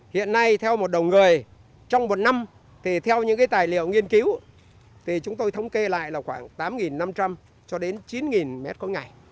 hiện nay theo một đồng người trong một năm theo những tài liệu nghiên cứu chúng tôi thống kê lại là khoảng tám năm trăm linh cho đến chín m ba ngày